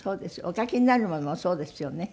お書きになるものもそうですよね。